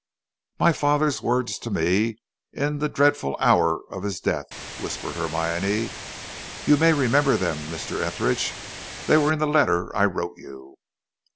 "My father's words to me in the dreadful hour of his death," whispered Hermione. "You may remember them, Mr. Etheridge; they were in the letter I wrote you."